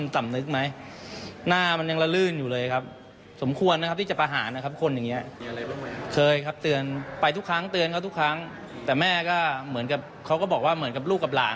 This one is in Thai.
แต่แม่ก็เหมือนกับเขาก็บอกว่าเหมือนกับลูกกับหลาน